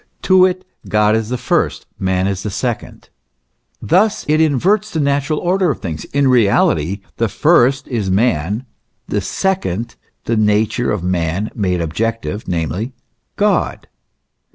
To it God is the first; man the second. Thus it inverts the natural order of things ! In reality, the first is man, the second the nature of man made objective, namely, God.